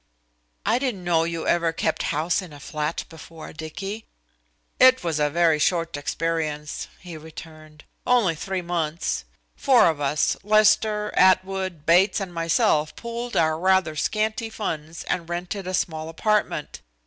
"I didn't know you ever kept house in a flat before, Dicky." "It was a very short experience," he returned, "only three months. Four of us, Lester, Atwood, Bates and myself pooled our rather scanty funds and rented a small apartment.